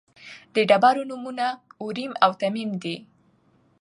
د ډبرو نومونه اوریم او تمیم دي.